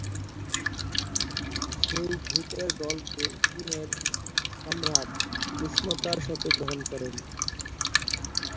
সেই দূতের দলকে চীনের সম্রাট উষ্ণতার সাথে গ্রহণ করেন।